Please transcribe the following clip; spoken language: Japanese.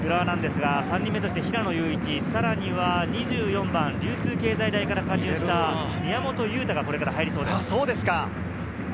浦和なんですが３人目として平野佑一、さらには２４番、流通経済大から加入した宮本優太がこれから入りそうです。